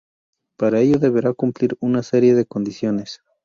Para ello deberá cumplir una serie de condiciones.